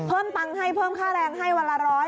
เติมตังค์ให้เพิ่มค่าแรงให้วันละ๑๐๐